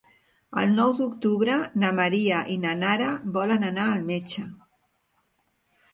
El nou d'octubre na Maria i na Nara volen anar al metge.